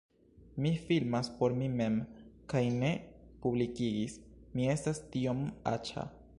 Mi filmas por mi mem kaj ne publikigis, mi estas tiom aĉa